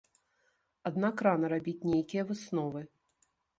Аднак рана рабіць нейкія высновы.